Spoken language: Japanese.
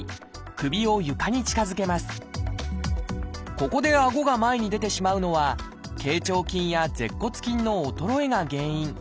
ここであごが前に出てしまうのは頚長筋や舌骨筋の衰えが原因。